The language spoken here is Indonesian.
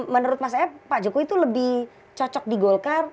menurut mas ep pak jokowi itu lebih cocok di golkar